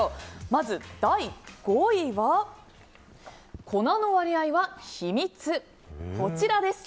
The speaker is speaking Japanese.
まず第５位は、粉の割合はヒミツ。